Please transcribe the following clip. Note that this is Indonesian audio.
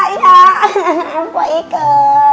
ya mpok ikut